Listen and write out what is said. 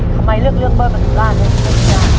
ทำไมเลือกเลือกเบิ้ลประทุมราช